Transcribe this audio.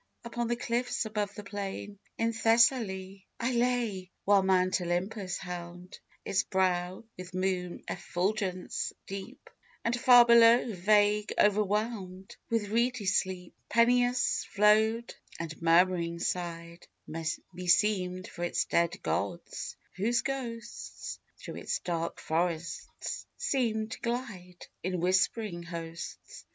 Upon the cliffs, above the plain, In Thessaly, I lay, while Mount Olympus helmed Its brow with moon effulgence deep, And, far below, vague, overwhelmed With reedy sleep, Peneus flowed, and, murmuring, sighed, Meseemed, for its dead gods, whose ghosts Through its dark forests seemed to glide In whispering hosts....